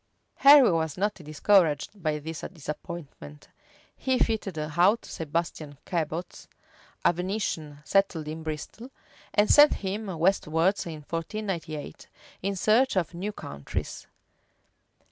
Henry was not discouraged by this disappointment: he fitted out Sebastian Cabot, a Venetian, settled in Bristol, and sent him westwards in 1498, in search of new countries.